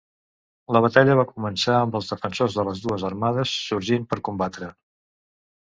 La batalla va començar amb els defensors de les dues armades sorgint per combatre.